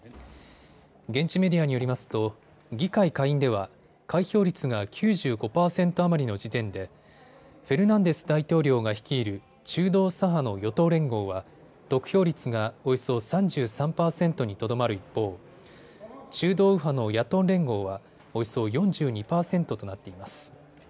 現地メディアによりますと議会下院では開票率が９５％余りの時点でフェルナンデス大統領が率いる中道左派の与党連合は得票率がおよそ３３％にとどまる一方、中道右派の野党連合はおよそ４２％となっています。